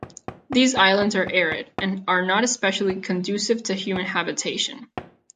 These islands are arid, and are not especially conducive to human habitation.